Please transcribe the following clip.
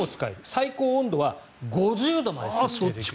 最高温度は５０度まで設定できる。